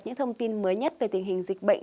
những thông tin mới nhất về tình hình dịch bệnh